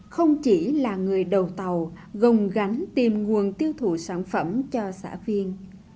không chỉ là người đầu tàu gồng gánh tìm nguồn tiêu thụ sản phẩm cho xã viên